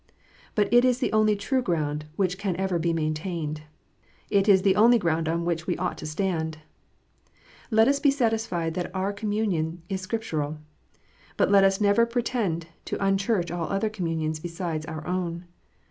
But it is the only true ground which can ever be maintained. It is the only ground on which we ought to stand. Let us be satis fied that our own communion is Scriptural ; but let us never pretend to unchurch all other communions beside our own.